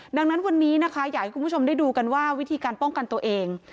ดังนั้นวันนี้นะคะอยากให้คุณผู้ชมได้ดูกันว่าวิธีการป้องกันตัวเอง